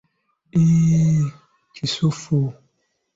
Eeehe kisufu!